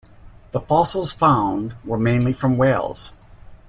The fossils found were mainly from whales.